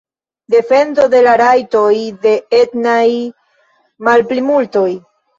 Defendo de la rajtoj de etnaj malplimultoj.